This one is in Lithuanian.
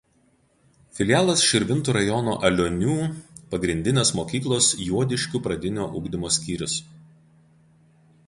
Filialas Širvintų rajono Alionių pagrindinės mokyklos Juodiškių pradinio ugdymo skyrius.